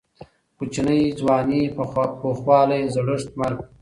کوچنۍ، ځواني، پخوالي، زړښت، مرګ.